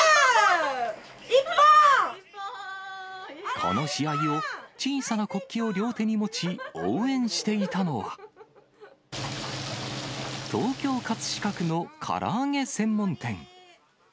この試合を、小さな国旗を両手に持ち、応援していたのは、東京・葛飾区のから揚げ専門店。